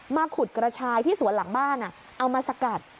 ขุดกระชายที่สวนหลังบ้านเอามาสกัด